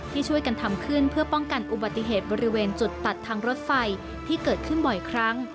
ที่ช่วยกันทำขึ้นเพื่อป้องกันอุบัติเหตุบริเวณจุดตัดทางรถไฟที่เกิดขึ้นบ่อยครั้ง